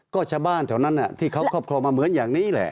ก็ชาวบ้านแถวนั้นที่เขาครอบครองมาเหมือนอย่างนี้แหละ